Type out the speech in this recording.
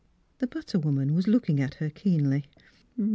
The butter woman was looking at her keenly.